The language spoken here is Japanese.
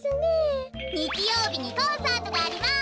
にちようびにコンサートがあります！